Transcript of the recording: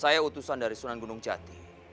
saya di university gunung jati